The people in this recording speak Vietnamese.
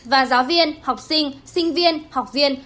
và giáo viên học sinh sinh viên học viên